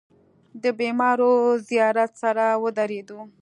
د بېمارو زيارت سره ودرېدلو.